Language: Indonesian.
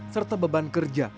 serta beban kerja